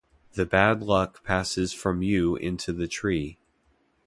The bad luck passes from you into the tree.